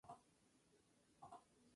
Sobrevino un gran desarrollo.